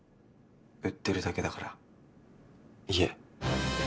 売ってるだけだから家。